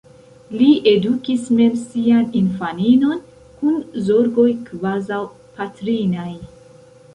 Li edukis mem sian infaninon, kun zorgoj kvazaŭ patrinaj.